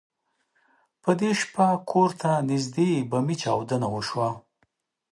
په دې شپه کور ته نږدې بمي چاودنه وشوه.